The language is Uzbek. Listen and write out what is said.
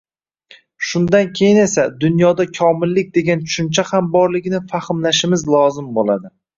Shundan keyin esa dunyoda komillik degan tushuncha ham borligini fahmlashimiz lozim bo‘ladi.